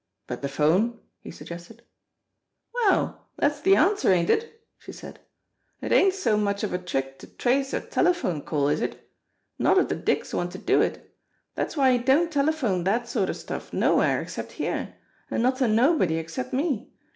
"But the phone ?" he suggested. "Well, dat's de answer, ain't it?" she said. "It ain't so much of a trick to trace a telephone call, is it? Not if de dicks want to do it. Dat's why he don't telephone dat sort of stuff nowhere except here, an' not to nobody except me.